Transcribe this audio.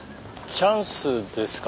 チャンスですか？